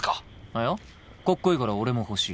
いやかっこいいから俺も欲しい。